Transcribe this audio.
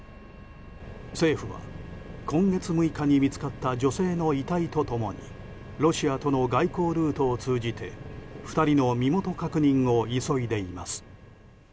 政府は今月６日に見つかった女性の遺体と共にロシアとの外交ルートを通じて２人の身元確認を急いでいます。